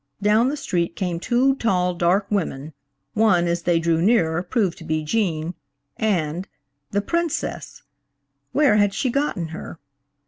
Down the street came two tall, dark women; one, as they drew nearer, proved to be Gene and–the Princess! Where had she gotten her?